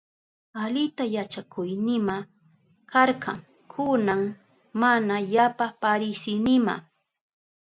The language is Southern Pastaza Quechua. Alita yachakuynima karka, kunan mana yapa parisinima.